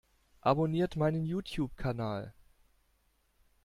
Abonniert meinen YouTube-Kanal!